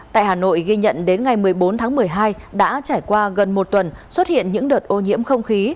tại hà nội ghi nhận đến ngày một mươi bốn tháng một mươi hai đã trải qua gần một tuần xuất hiện những đợt ô nhiễm không khí